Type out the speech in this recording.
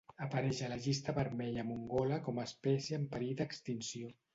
Apareix a la Llista Vermella mongola com a espècie en perill d'extinció.